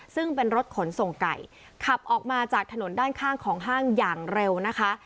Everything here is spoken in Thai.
ซึ่งเป็นรถขนส่งไก่ขับออกมาจากถนนด้านข้างของห้างอย่างเร็วนะคะ